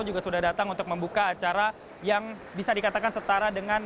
juga sudah datang untuk membuka acara yang bisa dikatakan setara dengan